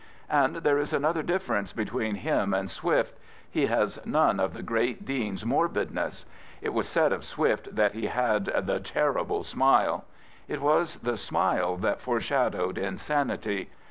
And there is another difference between him and Swift. He has none of the great Dean's morbidness. It was said of Swift that he had " the terrible smile." It was the smite 'that foreshadowed insanity.